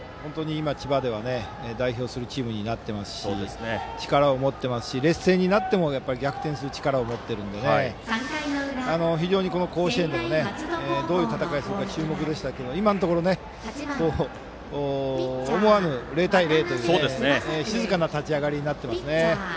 本当に千葉を代表するチームになっていますし力を持っていますし劣勢になっても逆転する力を持っているので甲子園でもどういう戦いをするのか注目でしたけど今のところ思わぬ０対０という静かな立ち上がりになっていますね。